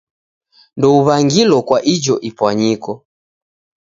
Ndouw'angilo kwa ijo ipwanyiko.